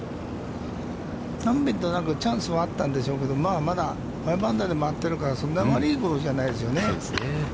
何遍となくチャンスはあったんでしょうけど、まあ、まだ５アンダーで回っているから、そんな悪いほどじゃないですよね。